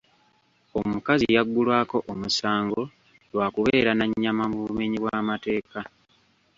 Omukazi yaggulwako omusango lwa kubeera na nnyama mu bumenyi bw'amateeka.